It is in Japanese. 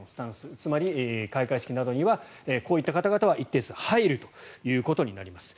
つまり、開会式などにはこういった方々は一定数入るということになります。